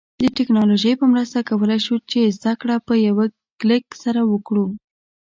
د ټیکنالوژی په مرسته کولای شو چې زده کړه په یوه کلیک سره وکړو